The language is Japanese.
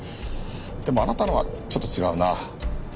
でもあなたのはちょっと違うな。